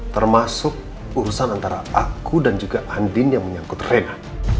termasuk urusan antara aku dan juga andin yang menyangkut rena